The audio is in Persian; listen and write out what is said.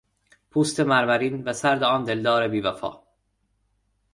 پوست مرمرین و سرد آن دلدار بی وفا